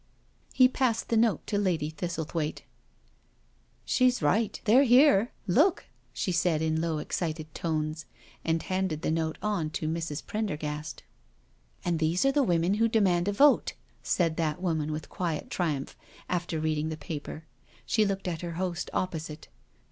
'* He passed the note to Lady Thistlethwaite. " She's right— they're there. Look I " she said, in low excited tones, and handed the note on to Mrs. Prendergast. "And these are the women who demand a vote!" said that lady with quiet triumph, after reading the paper. She looked at her host opposite.